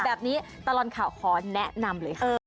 แบบนี้ตลอดข่าวขอแนะนำเลยค่ะ